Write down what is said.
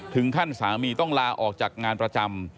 ถึงท่านสามีต้องลาออกจากงานประจำ